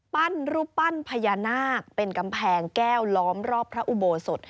รูปปั้นพญานาคเป็นกำแพงแก้วล้อมรอบพระอุโบสถ